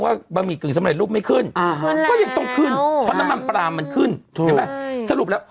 น้ำมันพลาดแล้วถึงแพงนะ